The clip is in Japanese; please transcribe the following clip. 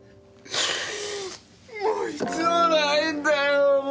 もう必要ないんだよー！